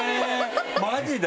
マジで？